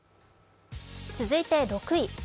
続いて６位。